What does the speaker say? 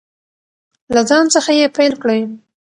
له ځان څخه یې پیل کړئ.